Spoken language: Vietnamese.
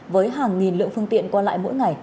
với hàng nghìn lượng phương tiện qua lại mỗi ngày